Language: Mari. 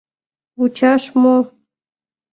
— Вучаш мо?